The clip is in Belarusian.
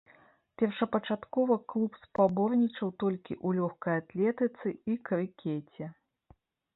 Першапачаткова клуб спаборнічаў толькі ў лёгкай атлетыцы і крыкеце.